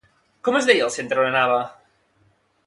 Com es deia el centre on anava?